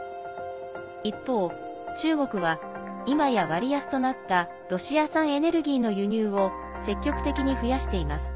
一方、中国はいまや割安となったロシア産エネルギーの輸入を積極的に増やしています。